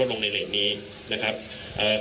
คุณผู้ชมไปฟังผู้ว่ารัฐกาลจังหวัดเชียงรายแถลงตอนนี้ค่ะ